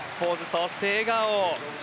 そして笑顔。